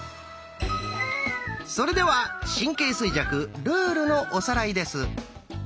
それでは「神経衰弱」ルールのおさらいです。